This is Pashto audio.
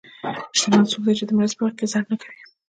شتمن څوک دی چې د مرستې په وخت کې ځنډ نه کوي.